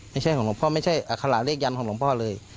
ไม่ใช่ของหลวงพ่อไม่ใช่อัคราเลขยันของหลวงพ่อเลย